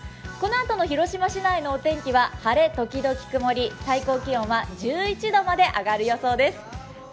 このあとの広島市内の天気は晴れ時々曇り最高気温は１１度まで上がる予想です。